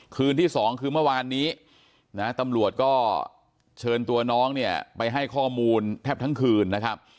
คืนที่๒คือเมื่อวานนี้นะตำรวจก็เชิญตัวน้องเนี่ยไปให้ข้อมูลแทบทั้งคืนนะครับ